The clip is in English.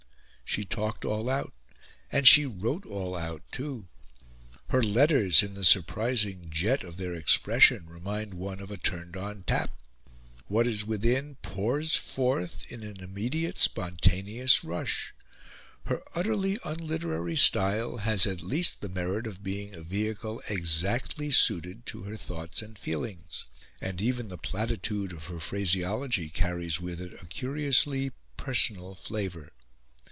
She talked all out; and she wrote all out, too. Her letters, in the surprising jet of their expression, remind one of a turned on tap. What is within pours forth in an immediate, spontaneous rush. Her utterly unliterary style has at least the merit of being a vehicle exactly suited to her thoughts and feelings; and even the platitude of her phraseology carries with it a curiously personal flavour.